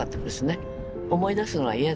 思い出すのは嫌だった。